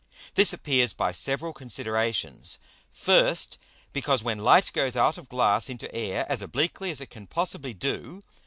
_ This appears by several Considerations. First, Because when Light goes out of Glass into Air, as obliquely as it can possibly do.